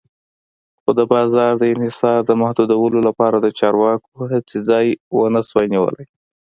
خو د بازار د انحصار د محدودولو لپاره د چارواکو هڅې ځای ونشو نیولی.